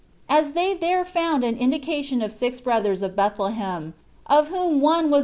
As they there found an indication of six brothers of Bethlehem, of whom one was.